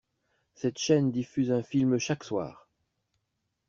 Cette chaîne diffuse un film chaque soir.